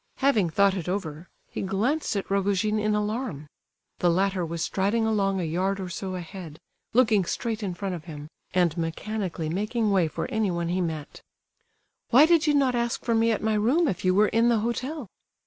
Having thought it over, he glanced at Rogojin in alarm. The latter was striding along a yard or so ahead, looking straight in front of him, and mechanically making way for anyone he met. "Why did you not ask for me at my room if you were in the hotel?"